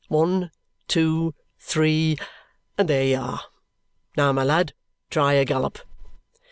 One, two, three, and there you are! Now, my lad, try a gallop!"